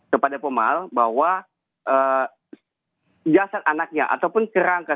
kepada pemaal bahwa jasad anaknya ataupun kerangka